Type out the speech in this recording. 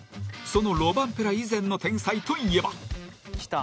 そのロバンペラ以前の天才といえば。